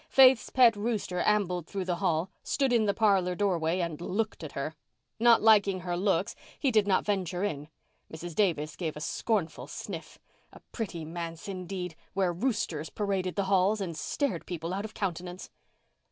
Faith's pet rooster ambled through the hall, stood in the parlour doorway and looked at her. Not liking her looks, he did not venture in. Mrs. Davis gave a scornful sniff. A pretty manse, indeed, where roosters paraded the halls and stared people out of countenance.